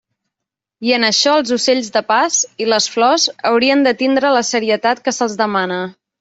I en això els ocells de pas, i les flors, haurien de tindre la serietat que se'ls demana.